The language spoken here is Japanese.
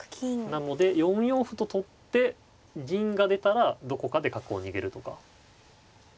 なので４四歩と取って銀が出たらどこかで角を逃げるとか。